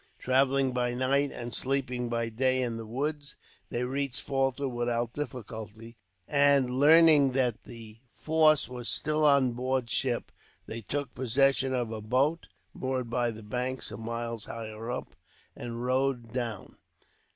Travelling by night, and sleeping by day in the woods, they reached Falta without difficulty; and, learning that the force was still on board ship, they took possession of a boat, moored by the bank some miles higher up, and rowed down.